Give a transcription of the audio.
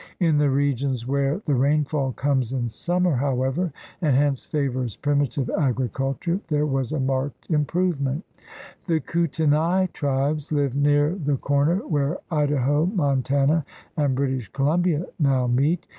In the regions where THE RED MAN IN AMERICA 143 the rainfall comes in summer, however, and hence favors primitive agriculture, there was a marked improvement. The Kutenai tribes lived near the corner where Idaho, Montana, and British Colum bia now meet.